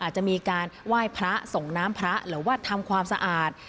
จะมีการไหว้พระส่งน้ำพระหรือว่าทำความสะอาด